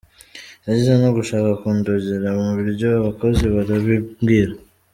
Yigeze no gushaka kundogera mu biryo abakozi barabimbwira.